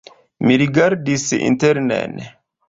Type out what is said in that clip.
Mi rigardis internen.